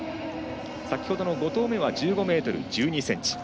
先ほどの５投目は１５ｍ１２ｃｍ。